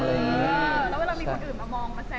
แล้วเวลามีคนอื่นมามองมาแซวอะไรอย่างนี้